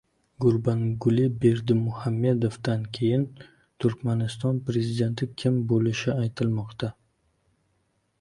Gurbanguli Berdimuhamedovdan keyin Turkmaniston prezidenti kim bo‘lishi aytilmoqda